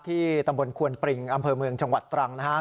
ตำบลควนปริงอำเภอเมืองจังหวัดตรังนะครับ